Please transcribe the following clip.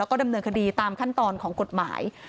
แล้วก็ดำเนินคดีตามขั้นตอนของกฎหมาย